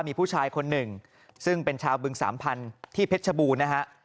มีผู้ชายคนหนึ่งซึ่งเป็นชาวบึงสามพันธุ์ที่เพชรชบูรณ์นะฮะ